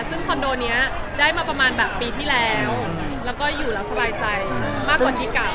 ซึ่งคอนโดนี้ได้มาประมาณแบบปีที่แล้วแล้วก็อยู่แล้วสบายใจมากกว่าที่เก่า